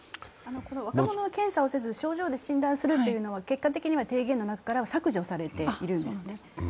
若者は検査をせず、症状で診断するというのは結果的には提言の中からは削除されているんですね。